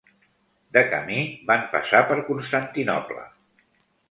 De camí, van passar per Constantinoble.